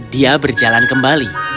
dia berjalan kembali